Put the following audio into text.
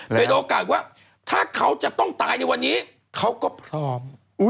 โดยโอกาสว่าถ้าเขาจะต้องตายในวันนี้เขาก็พร้อม